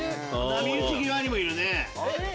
波打ち際にもいるね。